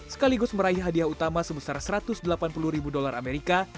sekaligus meraih hadiah utama sebesar satu ratus delapan puluh ribu dolar amerika